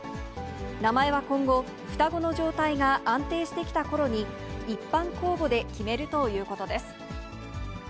名前は今後、双子の状態が安定してきたころに、一般公募で決めるということです。